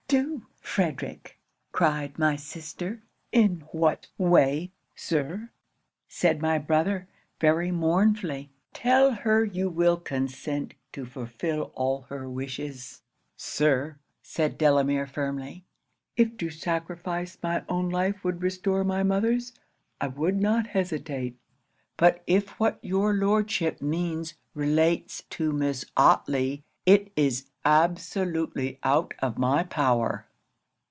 '"Do, Frederic," cried my sister. '"In what way, Sir?" said my brother, very mournfully. '"Tell her you will consent to fulfil all her wishes." '"Sir," said Delamere firmly, "if to sacrifice my own life would restore my mother's, I would not hesitate; but if what your Lordship means relates to Miss Otley, it is absolutely out of my power."